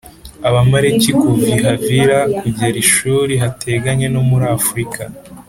Abamaleki o kuva i Havila p kugera i Shuri r hateganye no muriafurika